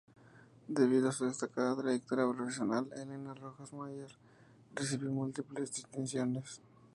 Debido a su destacada trayectoria profesional, Elena Rojas Mayer recibió múltiples distinciones.